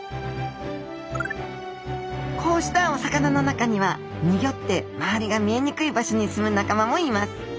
こうしたお魚の中にはにギョって周りが見えにくい場所に住む仲間もいます。